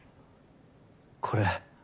これ。